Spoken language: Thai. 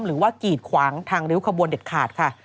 กีดขวางทางริ้วขบวนเด็ดขาดค่ะ